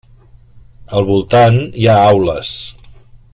Al voltant hi ha aules.